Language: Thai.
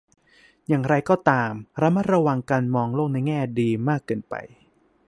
อย่างไรก็ตาม ระมัดระวังการมองโลกในแง่ดีมากเกินไป